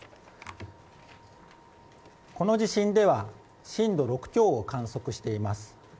この地震では震度６強を観測しています。